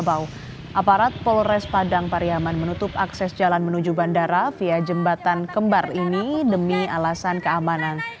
aparat polres padang pariyaman menutup akses jalan menuju bandara via jembatan kembar ini demi alasan keamanan